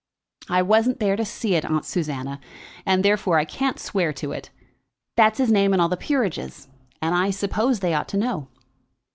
"I wasn't there to see, Aunt Susanna; and therefore I can't swear to it. That's his name in all the peerages, and I suppose they ought to know."